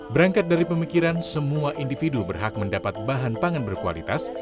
berangkat dari pemikiran semua individu berhak mendapat bahan pangan berkualitas